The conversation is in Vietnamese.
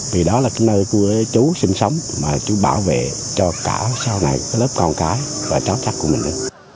vì đó là cái nơi của chú sinh sống mà chú bảo vệ cho cả sau này lớp con cái và chó chắc của mình nữa